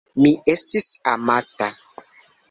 Mi estis amata.